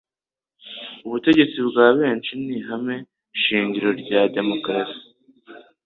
Ubutegetsi bwa benshi ni ihame shingiro rya demokarasi.